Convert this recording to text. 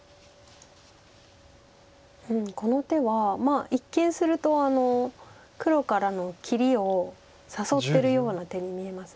この手は一見すると黒からの切りを誘ってるような手に見えます。